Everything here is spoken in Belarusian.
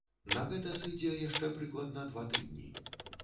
На гэта сыдзе яшчэ прыкладна два тыдні.